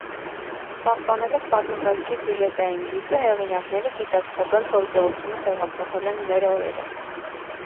Պահպանելով պատմվածքի սյուժետային գիծը՝ հեղինակները գիտակցաբար գործողությունը տեղափոխել են մեր օրերը։